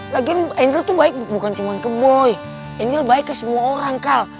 lagi angel tuh baik bukan cuma ke boy angel baik ke semua orang kal